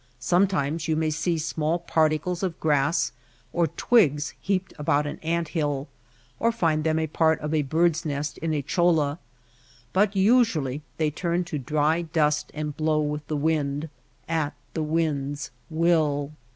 Sometimes you may see small particles of grass or twigs heaped about an ant hill, or find them a part of a bird's nest in a cholla ; but usually they turn to dry dust and blow with the wind — at the wind^s will.